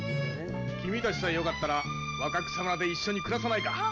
君たちさえ良かったら若草村で一緒に暮らさないか。